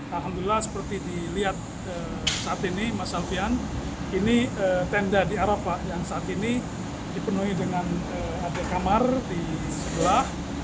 alhamdulillah seperti dilihat saat ini mas alfian ini tenda di arafah yang saat ini dipenuhi dengan ada kamar di sebelah